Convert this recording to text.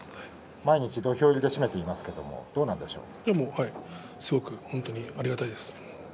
毎日、土俵入りで締めていますけれどもすごく本当にありがたいです。